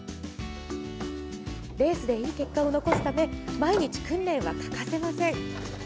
レースでいい結果を残すため毎日、訓練は欠かせません。